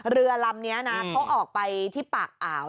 เรือลำนี้นะเขาออกไปที่ปากอ่าว